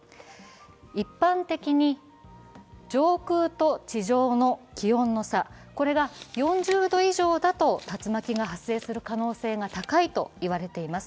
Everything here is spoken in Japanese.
一般的に上空と地上の気温の差が４０度以上だと竜巻が発生する可能性が高いと言われています。